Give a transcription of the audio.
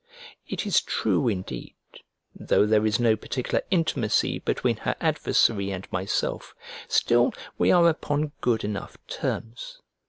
It is true, indeed, though there is no particular intimacy between her adversary and myself, still we are upon good enough terms.